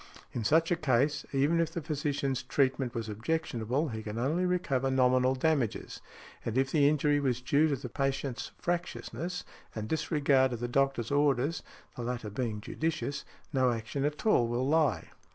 In such a case, even if the physician's treatment was objectionable, he can only recover nominal damages; and if the injury was due to the patient's fractiousness and disregard of the doctor's orders (the latter being judicious), no action at all will lie .